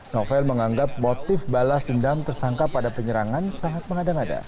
novel menganggap motif balas dendam tersangka pada penyerangan sangat mengada ngada